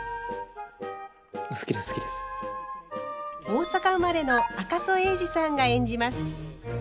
大阪生まれの赤楚衛二さんが演じます。